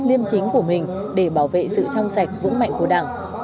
liêm chính của mình để bảo vệ sự trong sạch vững mạnh của đảng